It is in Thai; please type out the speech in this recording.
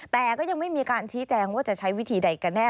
แต่ก็ยังไม่มีการชี้แจงว่าจะใช้วิธีใดกันแน่